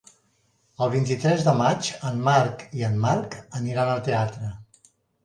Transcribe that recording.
El vint-i-tres de maig en Marc i en Marc aniran al teatre.